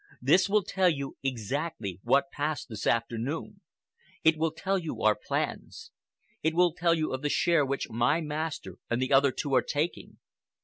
This will tell you exactly what passed this afternoon. It will tell you our plans. It will tell you of the share which my master and the other two are taking.